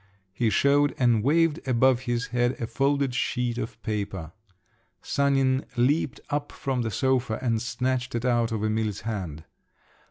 He showed and waved above his head a folded sheet of paper. Sanin leaped up from the sofa and snatched it out of Emil's hand.